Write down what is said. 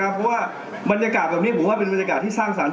เพราะว่าบรรยากาศแบบนี้ผมว่าเป็นบรรยากาศที่สร้างสรรค